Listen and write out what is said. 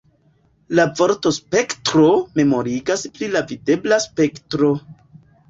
La vorto ""spektro"" memorigas pri la videbla spektro.